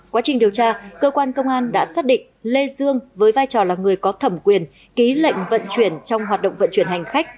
quá trình điều tra cơ quan công an đã xác định lê dương với vai trò là người có thẩm quyền ký lệnh vận chuyển trong hoạt động vận chuyển hành khách